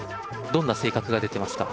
どんな性格が出てますか？